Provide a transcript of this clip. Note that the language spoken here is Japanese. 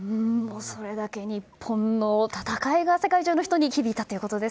それだけ日本の戦いが世界中の人々に気に入られたと。